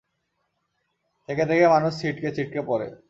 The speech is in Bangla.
থেকে থেকে মানুষ ছিটকে ছিটকে পড়ে।